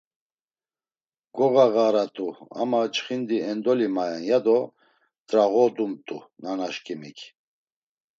Gogağarat̆u ama çxindi endoli mayen ya do t̆rağodumt̆u nanaşǩimik.